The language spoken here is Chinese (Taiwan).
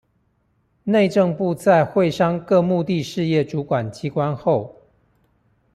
內政部在會商各目的事業主管機關後